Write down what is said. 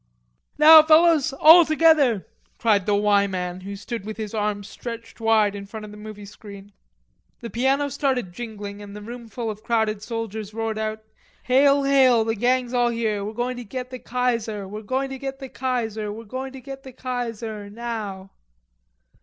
"Now, fellows, all together," cried the "Y" man who stood with his arms stretched wide in front of the movie screen. The piano started jingling and the roomful of crowded soldiers roared out: "Hail, Hail, the gang's all here; We're going to get the Kaiser, We're going to get the Kaiser, We're going to get the Kaiser, Now!"